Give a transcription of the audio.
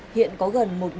huyện có gần một đồng